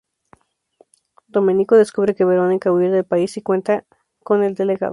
Domenico descubre que Verónica huir del país y cuenta con el delegado.